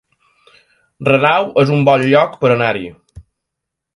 Renau es un bon lloc per anar-hi